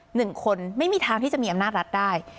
หนึ่งคนไม่มีทางที่จะมีอำนาจรัฐได้